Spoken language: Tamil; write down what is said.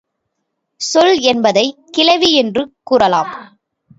சொல் என்பதை கிளவி என்றும் கூறலாம்.